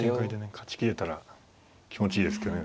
勝ち切れたら気持ちいいですけどね。